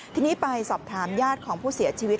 ทีนี้ไปสอบถามญาติของผู้เสียชีวิต